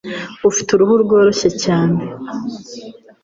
Ufite uruhu rworoshye cyane